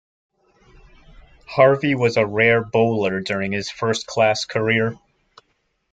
Harvey was a rare bowler during his first-class career.